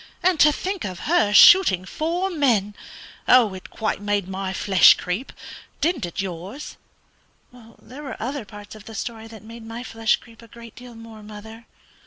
And to think of her shooting four men! It quite made my flesh creep; didn't it yours?" "There were other parts of the story that made my flesh creep a great deal more, mother."